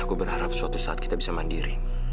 aku berharap suatu saat kita bisa mandiri